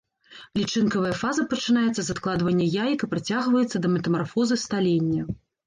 Лічынкавая фаза пачынаецца з адкладвання яек і працягваецца да метамарфозы сталення.